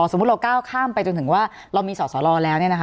สมมุติเราก้าวข้ามไปจนถึงว่าเรามีสอสอรอแล้ว